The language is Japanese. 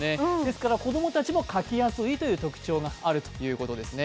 子供たちも描きやすいという特徴があるということです。